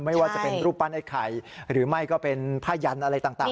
ไม่ว่าจะเป็นรูปปั้นไอ้ไข่หรือไม่ก็เป็นผ้ายันอะไรต่าง